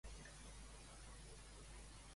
Va deixar anar una riallada, però?